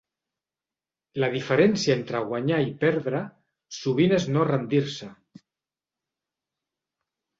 La diferència entre guanyar i perdre, sovint és no rendir-se.